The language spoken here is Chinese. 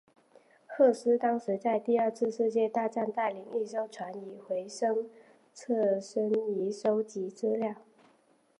赫斯当时在第二次世界大战带领一艘船以回声测深仪收集资料。